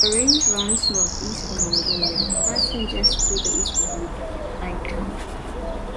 The range runs north-east from Mongolia, passing just to the east of Lake Baikal.